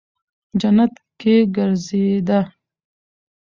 جنت کې گرځېده.